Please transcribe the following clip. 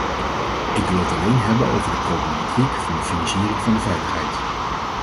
Ik wil het alleen hebben over de problematiek van de financiering van de veiligheid.